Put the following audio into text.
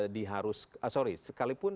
diharus sorry sekalipun